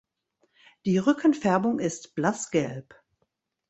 Die Rückenfärbung ist blassgelb.